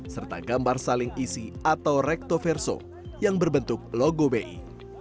serta gambar saling isi atau rektoverso yang berbentuk logo bi